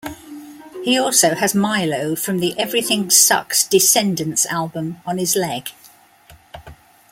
He also has Milo from the "Everything Sucks" Descendants album on his leg.